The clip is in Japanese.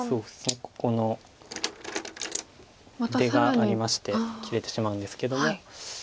ここの出がありまして切れてしまうんですけども。